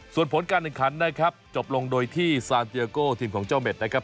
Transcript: ส่วนผลการแข่งขันนะครับจบลงโดยที่ซานเตียโก้ทีมของเจ้าเม็ดนะครับ